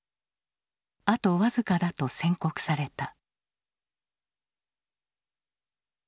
あと僅かだと宣告された。